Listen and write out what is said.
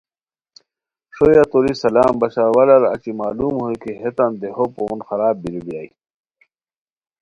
ݰویہ توری سلام بشارا حوالار اچی معلوم ہوئے کی ہیتان دیہو پون خراب بیرو بیرائے